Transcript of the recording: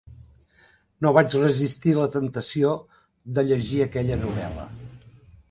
No vaig resistir a la temptació de llegir aquella novel·la.